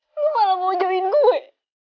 lo malah mau jauhin gue